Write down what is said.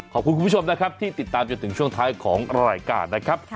ขอบคุณคุณผู้ชมนะครับที่ติดตามจนถึงช่วงท้ายของรายการนะครับ